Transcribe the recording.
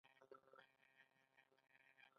احمد د سرو زرو بيې ټيټېدو ته کوړۍ کوړۍ پروت دی.